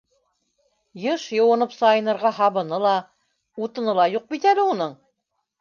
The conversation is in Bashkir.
Йыш йыуынып-сайынырға һабыны ла, утыны ла юҡ бит әле уның.